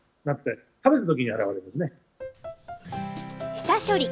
下処理。